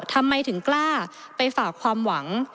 ทำไมถึงกล้าไปฝากความหวัง